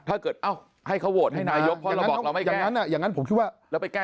ถ้าเกิดให้เขาโหวตให้นายกพอเราบอกเราไม่แก้